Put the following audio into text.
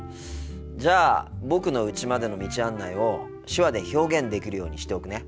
じゃあ僕のうちまでの道案内を手話で表現できるようにしておくね。